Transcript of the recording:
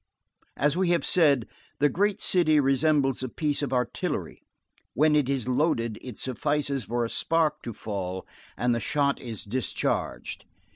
As we have said, the great city resembles a piece of artillery; when it is loaded, it suffices for a spark to fall, and the shot is discharged.